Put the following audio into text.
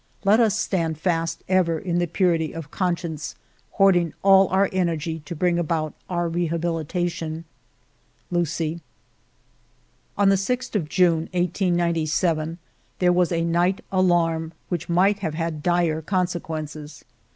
Let us stand fast ever in purity of conscience, hoarding all our energy to bring about our rehabilitation. ... Lucie." On the 6th of June, 1897, there was a night alarm which might have had dire consequences.